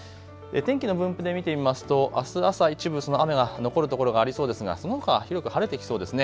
天気の分布で見てみますとあすの朝、一部その雨が残る所がありそうですがそのほかは広く晴れてきそうですね。